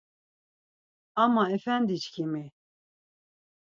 Ama efendi çkimi!